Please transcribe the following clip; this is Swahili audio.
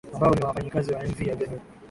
ambao ni wafanyakazi wa mv albedo